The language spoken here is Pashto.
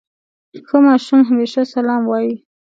ښه ماشوم همېشه سلام وايي.